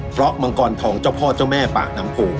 เพราะมังกรทองเจ้าพ่อเจ้าแม่ปากน้ำโพ